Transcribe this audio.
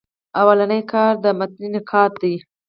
لومړنی کار د متني نقاد دﺉ.